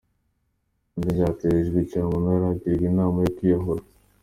Ibye byatejwe cyamunara agirwa inama yo kwiyahura.